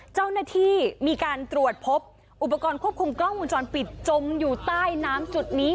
เจ้าหน้าที่มีการตรวจพบอุปกรณ์ควบคุมกล้องวงจรปิดจมอยู่ใต้น้ำจุดนี้